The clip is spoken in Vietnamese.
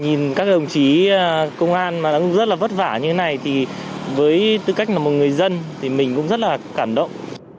nhìn các đồng chí công an mà đang rất là vất vả như thế này thì với tư cách là một người dân thì mình cũng rất là cảm động